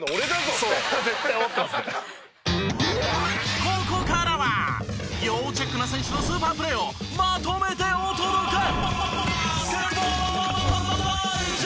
ここからは要チェックな選手のスーパープレーをまとめてお届け！